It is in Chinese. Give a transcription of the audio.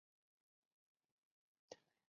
只不过较难弹奏。